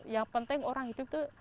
yang penting orang hidup itu